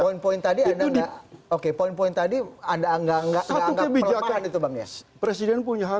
poin poin tadi ada oke poin poin tadi ada anggar anggar kebijakan itu banges presiden punya